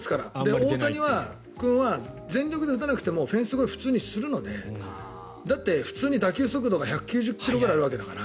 大谷君は全力で打たなくてもフェンス越えを普通にするのでだって普通に打球速度が１９０ｋｍぐらいあるわけだから。